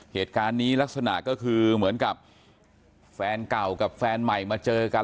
เหตุการณ์นี้ลักษณะก็คือเหมือนกับแฟนเก่ากับแฟนใหม่มาเจอกัน